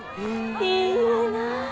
いいな。